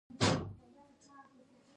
موږ باید دا شعار د خپل ژوند تګلاره وګرځوو